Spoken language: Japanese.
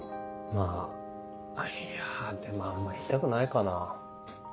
まぁいやでもあんま言いたくないかな。